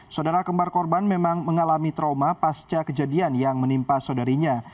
saudara kembar korban memang mengalami trauma pasca kejadian yang menimpa saudarinya